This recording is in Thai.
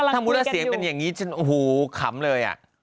บ้าถ้าพูดได้เสียงเป็นอย่างนี้ฉันโหขำเลย